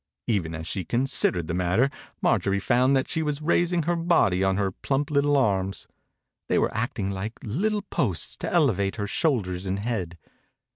Even as she considered the matter Marjorie found that she was raising her body on her plump little arms. They were act ing like little posts to elevate her shoulders and head.